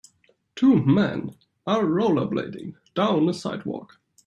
Two men are rollerblading down a sidewalk.